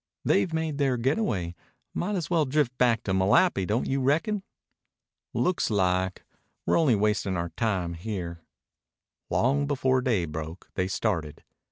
"They've made their getaway. Might as well drift back to Malapi, don't you reckon?" "Looks like. We're only wastin' our time here." Long before day broke they started.